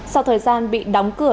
sau thời gian bị đóng cửa